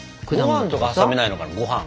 ご飯とか挟めないのかなご飯。